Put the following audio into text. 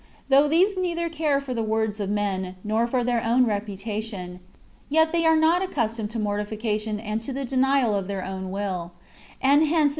Though these neither care for the words of men, nor for their own reputation ; yet they are not accustomed to mortification and to the denial of their own will : and hence it CONCEPTIONS OF DIVINE LOVE.